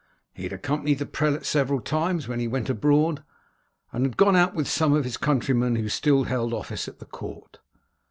He had accompanied the prelate several times when he went abroad, and had gone out with some of his countrymen who still held office at the court.